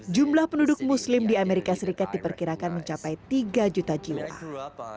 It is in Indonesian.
jumlah penduduk muslim di amerika serikat diperkirakan mencapai tiga juta jiwa